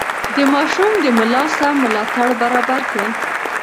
د ماشوم د ملا سم ملاتړ برابر کړئ.